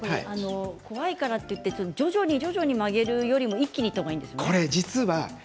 怖いからって徐々に曲げるよりは一気にいったほうがいいんですよね？